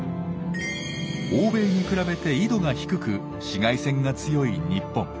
欧米に比べて緯度が低く紫外線が強い日本。